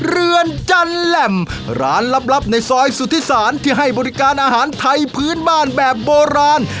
เรือนจันแหล่มร้านลับในซอยสุธิศาลที่ให้บริการอาหารไทยพื้นบ้านแบบโบราณ